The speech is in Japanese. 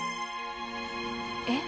えっ？